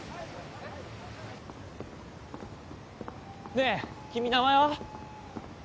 ねえ君名前は？